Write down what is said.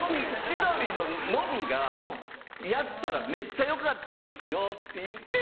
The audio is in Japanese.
千鳥のノブが「やったらめっちゃよかったですよ」って言って。